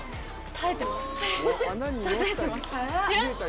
耐えてます？